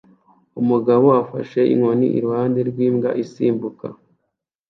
Umugabo afashe inkoni iruhande rwimbwa isimbuka